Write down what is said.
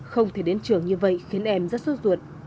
không thể đến trường như vậy khiến em rất sốt ruột